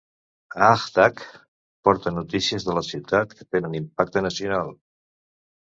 Aaj Tak porta notícies de la ciutat que tenen impacte nacional.